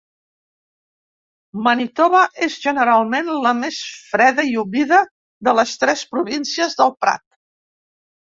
Manitoba és generalment la més freda i humida de les tres províncies del prat.